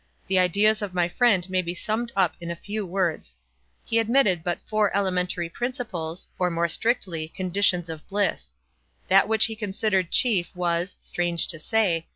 The ideas of my friend may be summed up in a few words. He admitted but four elementary principles, or more strictly, conditions of bliss. That which he considered chief was (strange to say!)